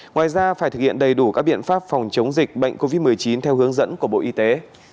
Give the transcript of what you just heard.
ngoài ra phải thực hiện đầy đủ các biện pháp phòng chống dịch bệnh covid một mươi chín theo hướng dẫn của bộ y tế